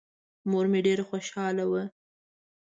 مور مې ډېره خوشحاله وه.